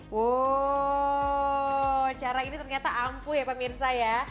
wow cara ini ternyata ampuh ya pemirsa ya